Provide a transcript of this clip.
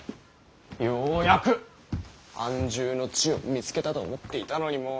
ようやく安住の地を見つけたと思っていたのにもう。